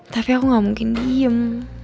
tapi aku gak mungkin diem